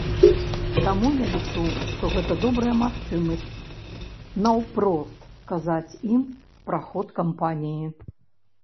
Таму я лічу, што гэта добрая магчымасць наўпрост казаць ім пра ход кампаніі.